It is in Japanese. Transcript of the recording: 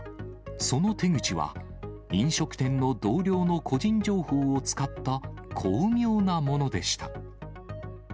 その手口は、飲食店の同僚の個人情報を使った、巧妙なものでした。